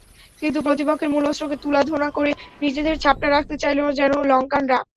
কিন্তু প্রতিপক্ষের মূল অস্ত্রকে তুলাধোনা করে নিজেদের ছাপটা রাখতে চাইল যেন লঙ্কানরা।